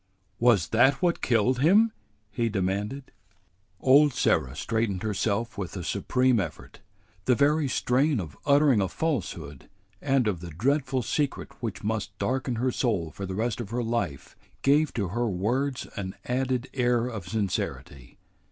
"Was that what killed him?" he demanded. Old Sarah straightened herself with a supreme effort. The very strain of uttering a falsehood and of the dreadful secret which must darken her soul for the rest of her life gave to her words an added air of sincerity.